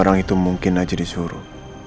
orang itu mungkin aja disuruh